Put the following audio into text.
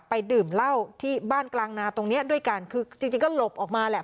ดื่มเหล้าที่บ้านกลางนาตรงเนี้ยด้วยกันคือจริงจริงก็หลบออกมาแหละ